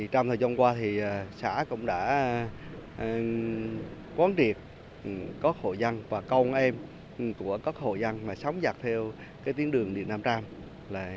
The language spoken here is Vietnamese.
trong thời gian qua xã cũng đã quán triệt các hộ dân và công em của các hộ dân mà sống dạc theo tiến đường điện nam trang